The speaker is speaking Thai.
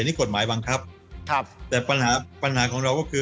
อันนี้กฎหมายปกติครับแต่ปัญหาของเราก็คือ